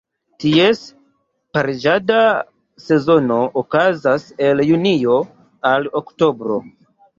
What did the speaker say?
Ties pariĝada sezono okazas el Junio al Oktobro.